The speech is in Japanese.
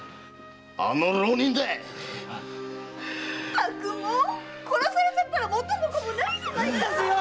たくもう殺されちゃったら元も子もないじゃないか！